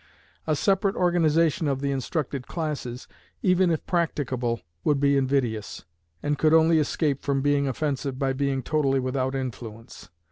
A separate organization of the instructed classes, even if practicable, would be invidious, and could only escape from being offensive by being totally without influence.